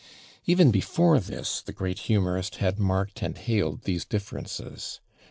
Even before this the great humorist had marked and hailed these differences.